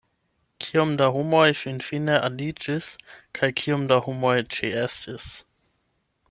Kiom da homoj finfine aliĝis, kaj kiom da homoj ĉeestis?